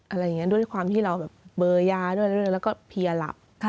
อะไรอย่างนี้ด้วยความที่เราแบบเบอร์ยาด้วยแล้วก็เพียหลับ